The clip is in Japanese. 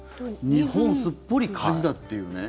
日本すっぽり火事だっていうね。